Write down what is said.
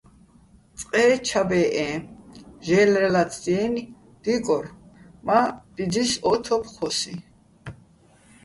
წყე ჩა ბეჸეჼ, ჟე́ლრეჼ ლაცდიენი̆, დიკორ მა́ ბიძის ო თოფ ჴო́სიჼ.